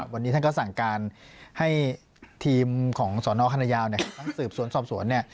วันนี้ท่านก็สั่งการให้ทีมของสนคณะยาวทั้งสืบสวนสอบสวนเนี่ย